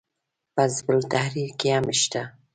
په حزب التحریر کې هم شته.